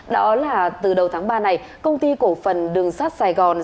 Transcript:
đó là từ đầu tháng ba này công ty cổ phần đường sắt sài gòn